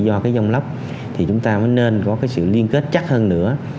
do dòng lốc thì chúng ta mới nên có sự liên kết chắc hơn nữa